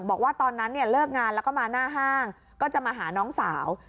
บอกว่าตอนนั้นเนี่ยเลิกงานแล้วก็มาหน้าห้างก็จะมาหาน้องสาว